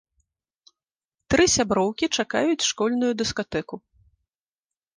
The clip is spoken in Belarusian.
Тры сяброўкі чакаюць школьную дыскатэку.